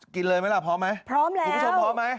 กินเลยไหมล่ะพร้อมไหมคุณผู้ชมพร้อมไหมพร้อมแล้ว